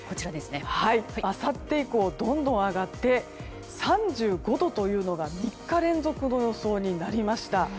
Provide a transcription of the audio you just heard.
あさって以降、どんどん上がって３５度というのが３日連続の予想になりました。